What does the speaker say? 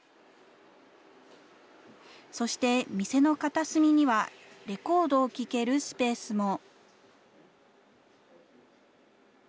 そして、店の片隅には、レコードを聞けるスペースも。